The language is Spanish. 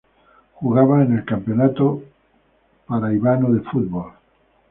Jugaba en el Campeonato Paraibano de Fútbol.